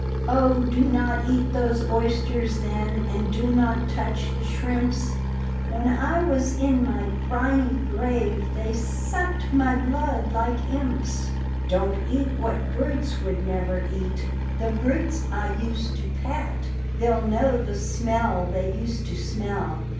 " Oh, do not eat those oysters, then. And do not touch the shrimps; When I was in my briny grave They sucked my blood like impsl " Don't eat what brutes would never eat, The brutes I used to pat, They'll know the smell they used to smell.